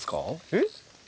えっ？